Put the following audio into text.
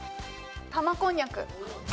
玉こんにゃく。